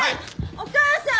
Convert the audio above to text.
お母さん。